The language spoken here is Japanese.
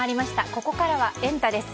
ここからはエンタ！です。